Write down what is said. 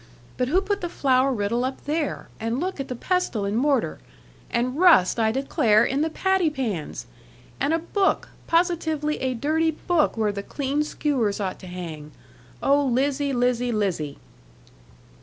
But who put the flour riddle up there. And look at the pestle and mortar, and rust I declare in the patty pans! And a book, positively a dirty book, where the clean skewers ought to hang! Oh, Lizzie, Lizzie, Lizzie!'